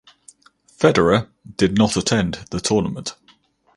Federer did not attend the tournament.